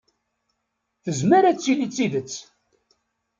Tezmer ad tili d tidet.